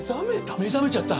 目覚めちゃった？